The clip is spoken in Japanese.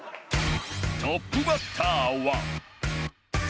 トップバッターは